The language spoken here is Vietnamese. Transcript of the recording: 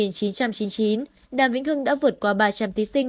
năm một nghìn chín trăm chín mươi chín đàm vĩnh hưng đã vượt qua ba trăm linh thí sinh